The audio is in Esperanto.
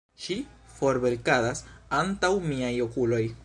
Ŝi forvelkadas antaŭ miaj okuloj.